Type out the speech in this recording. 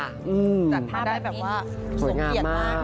จัดภาพได้แบบว่าสงเกียจมาก